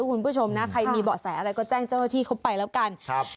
คุณผู้ชมนะใครมีเบาะแสอะไรก็แจ้งเจ้าหน้าที่เขาไปแล้วกันครับ